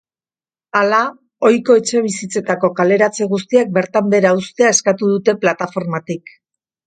Hala, ohiko etxebizitzetako kaleratze guztiak bertan behera uztea eskatu dute plataformatik.